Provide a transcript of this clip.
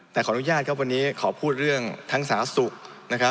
แต่ขออนุญาตครับวันนี้ขอพูดเรื่องทั้งสาธารณสุขนะครับ